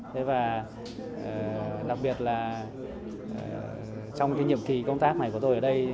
thế và đặc biệt là trong cái nhiệm kỳ công tác này của tôi ở đây